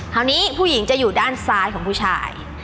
คราวนี้ผู้หญิงจะอยู่ด้านซ้ายของผู้ชาย